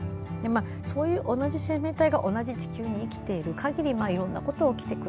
そういう同じ生命体が同じ地球に生きてる限りいろんなことが起きてくる。